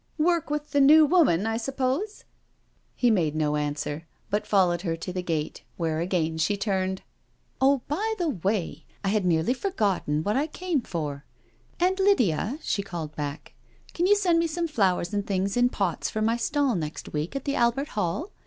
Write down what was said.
" Work with the New Woman, I suppose?" He made no answer, but followed her to the gate^ where again she turned. " Oh, by the way, I had nearly forgotten what J came for. Aunt Lydia," she called back, " can you send me some flowers and things in pots for my stall next week at the Albert Hall?